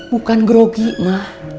bukan grogi ma